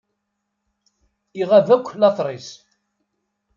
Iɣab akk later-is.